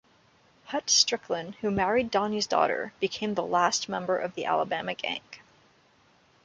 Hut Stricklin, who married Donnie's daughter, became the last member of the Alabama Gang.